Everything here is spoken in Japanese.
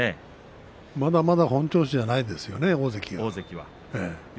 まだまだ本調子じゃないですよね大関は。